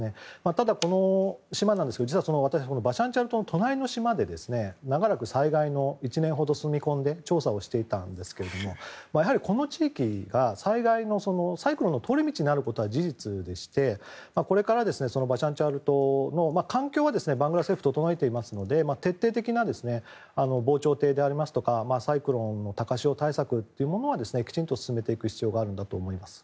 ただこの島私バシャンチャール島の隣の島で１年ほど住み込んで調査をしていましたがこの地域は災害のサイクロンの通り道になることは事実でしてバシャンチャール島の環境は、バングラデシュが整えていますので徹底的な防潮堤でありますとかサイクロンの高潮対策というものはきちんと進めていく必要があるんだと思います。